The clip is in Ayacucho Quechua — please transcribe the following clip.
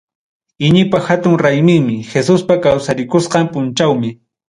Iñipa hatun rayminmi, Jesuspa kawsarikusqan punchawmi.